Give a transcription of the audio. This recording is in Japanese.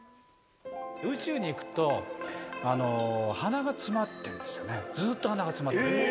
宇宙に行くと、鼻が詰まってるんですよね、ずっと鼻が詰まってる。